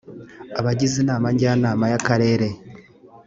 abagize inama njyanama y akarere